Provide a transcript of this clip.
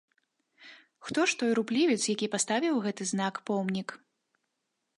Хто ж той руплівец, які паставіў гэты знак-помнік?